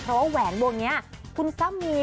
เพราะว่าแหวนวงนี้คุณสามี